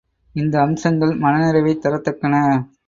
இந்த அம்சங்கள் மனநிறைவைத் தரத்தக்கன.